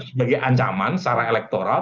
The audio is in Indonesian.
sebagai ancaman secara elektoral